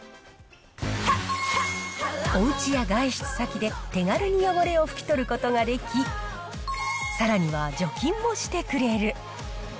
おうちや外出先で、手軽に汚れを拭き取ることができ、さらには除菌もしてくれる。